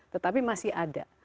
tetapi masih ada